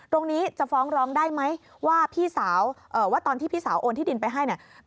ตรงนี้จะฟ้องร้องได้ไหมว่าพี่สาวว่าตอนที่พี่สาวโอนที่ดินไปให้เนี่ย